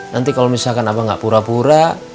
nanti kalau misalkan abang gak pura pura